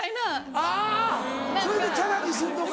あぁそれでチャラにすんのか。